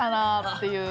っていう。